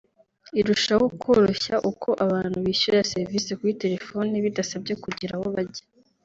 irushaho kworoshya uko abantu bishyura serivisi kuri telefone bidasabye kugira aho bajya